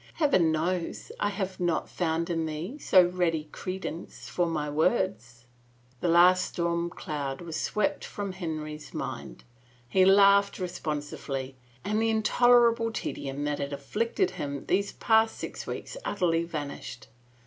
" Heaven knows I have not found in thee so ready credence for my words !" The last storm cloud was swept from Henry's mind; he laughed responsively, and the intolerable tedium that had afflicted him those past six weeks utterly vanished.